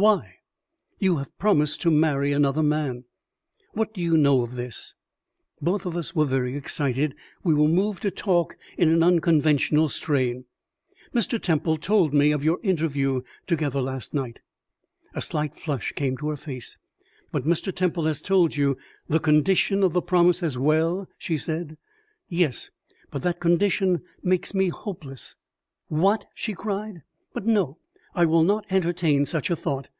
"Why?" "You have promised to marry another man." "What do you know of this?" Both of us were very excited. We were moved to talk in an unconventional strain. "Mr. Temple told me of your interview together last night." A slight flush came to her face. "But Mr. Temple has told you the condition of the promise as well," she said. "Yes; but that condition makes me hopeless." "What!" she cried. "But no, I will not entertain such a thought.